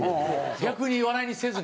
逆に笑いにせずに？